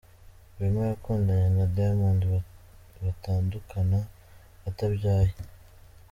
Wema yakundanye na Diamond batandukana atabyaye.